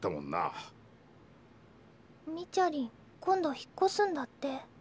今度引っ越すんだって。